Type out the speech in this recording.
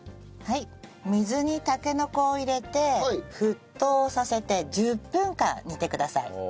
はい水にたけのこを入れて沸騰させて１０分間煮てください。